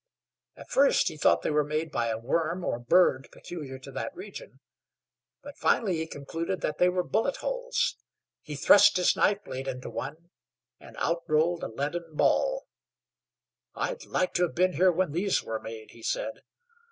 At first he thought they were made by a worm or bird peculiar to that region; but finally lie concluded that they were bullet holes. He thrust his knife blade into one, and out rolled a leaden ball. "I'd like to have been here when these were made," he said.